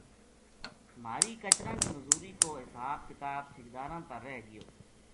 مھاری کچراں کی مزور ی کو حساب کتاب ٹھیکیداراں تا رہ گیو